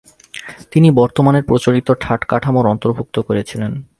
তিনি বর্তমানের প্রচলিত ঠাট কাঠামোর অন্তর্ভুক্ত করেছিলেন।